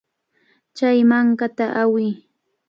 Chay mankata awiy.